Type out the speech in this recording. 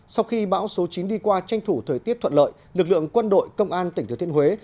sau khi bão số chín đi qua tranh thủ thời tiết thuận lợi lực lượng quân đội công an tỉnh thừa thiên huế